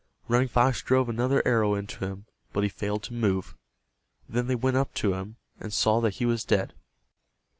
Running Fox drove another arrow into him, but he failed to move. Then they went up to him, and saw that he was dead.